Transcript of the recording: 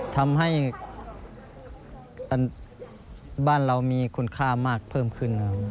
ทำให้บ้านเรามีคุณค่ามากเพิ่มขึ้น